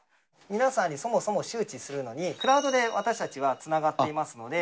皆さんにそもそも周知するのに、クラウドで私たちはつながっていますので。